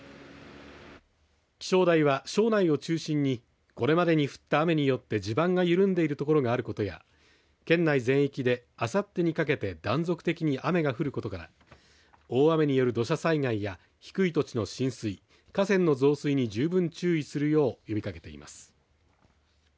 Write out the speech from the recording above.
気象台は、庄内を中心にこれまでに降った雨によって地盤が緩んでいる所があることや県内全域であさってにかけて断続的に雨が降ることから大雨による土砂災害や低い土地の浸水河川の増水に十分注意するよう呼びかけています。